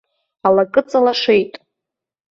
Алакыҵа лашеит!